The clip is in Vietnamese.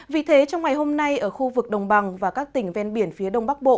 vì thế trong ngày hôm nay ở khu vực đồng bằng và các tỉnh ven biển phía đông bắc bộ